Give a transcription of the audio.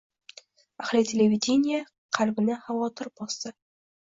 ahli televideniye qalbini xavotir bosdi.